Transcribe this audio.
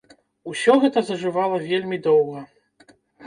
Усё гэта зажывала вельмі доўга.